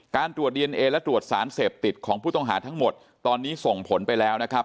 ตรวจดีเอนเอและตรวจสารเสพติดของผู้ต้องหาทั้งหมดตอนนี้ส่งผลไปแล้วนะครับ